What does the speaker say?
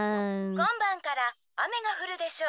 「こんばんからあめがふるでしょう」。